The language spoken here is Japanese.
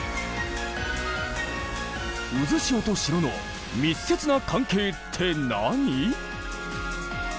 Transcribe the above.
渦潮と城の密接な関係って何？